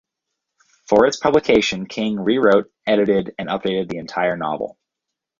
For its publication King rewrote, edited, and updated the entire novel.